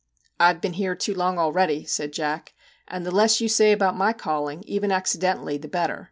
' 1 Ve been here too long already,' said Jack. 1 And the less you say about my calling, even accidentally, the better.